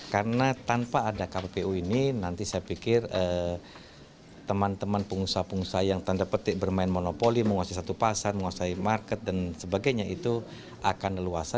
karena tanpa ada kppu ini nanti saya pikir teman teman pengusaha pengusaha yang tanda petik bermain monopoli menguasai satu pasar menguasai market dan sebagainya itu akan leluasa